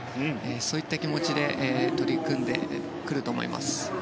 そういった気持ちで取り組んでくると思います。